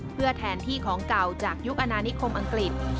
เพื่อแทนที่ของเก่าจากยุคอนานิคมอังกฤษ